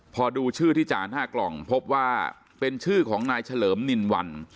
พอดูชื่อที่จ่านหน้ากล่องพบว่าเป็นชื่อของนายเฉลิมนินวัน